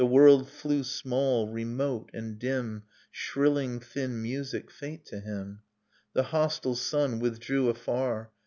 The world flew small, remote and dim, — Shrilling thin music faint to him; The hostile sun withdrew afar.